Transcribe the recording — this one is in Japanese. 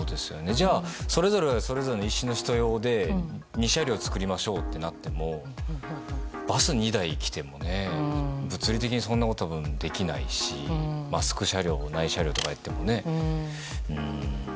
じゃあ、それぞれがそれぞれの意思の人用で２車両作りましょうってなってもバス２台来ても物理的にそんなこともできないしマスク車両とない車両とかやってもね。